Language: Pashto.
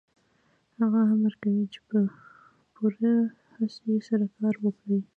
هغه امر کوي چې په پوره هڅې سره کار وکړئ